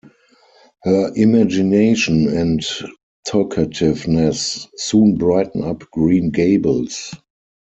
Her imagination and talkativeness soon brighten up Green Gables.